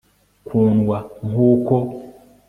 kundwa nk'uko